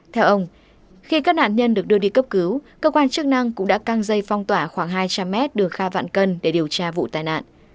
theo ông khi các nạn nhân được đưa đi cấp cứu cơ quan chức năng cũng đã căng dây phong tỏa khoảng hai trăm linh mét đường kha vạn cân để điều tra vụ tai nạn